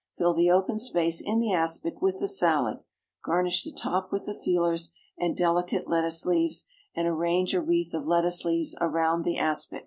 Fill the open space in the aspic with the salad; garnish the top with the feelers and delicate lettuce leaves, and arrange a wreath of lettuce leaves around the aspic.